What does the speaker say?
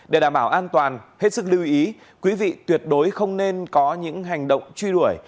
để đảm bảo an toàn hết sức lưu ý quý vị tuyệt đối không nên có những hành động truy đuổi